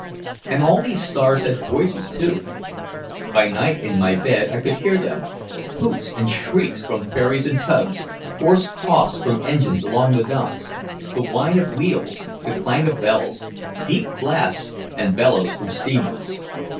And all these stars had voices, too. By night in my bed I could hear them hoots and shrieks from ferries and tugs, hoarse coughs from engines along the docks, the whine of wheels, the clang of bells, deep blasts and bellows from steamers.